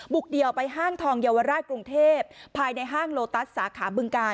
เดี่ยวไปห้างทองเยาวราชกรุงเทพภายในห้างโลตัสสาขาบึงกาล